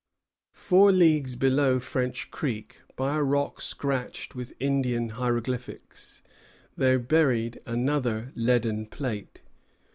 Four leagues below French Creek, by a rock scratched with Indian hieroglyphics, they buried another leaden plate.